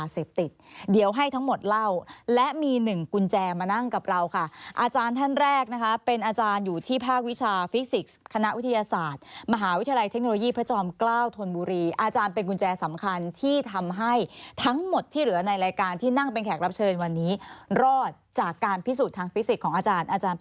เสพติดเดี๋ยวให้ทั้งหมดเล่าและมีหนึ่งกุญแจมานั่งกับเราค่ะอาจารย์ท่านแรกนะคะเป็นอาจารย์อยู่ที่ภาควิชาฟิสิกส์คณะวิทยาศาสตร์มหาวิทยาลัยเทคโนโลยีพระจอมเกล้าธนบุรีอาจารย์เป็นกุญแจสำคัญที่ทำให้ทั้งหมดที่เหลือในรายการที่นั่งเป็นแขกรับเชิญวันนี้รอดจากการพิสูจนทางฟิสิกส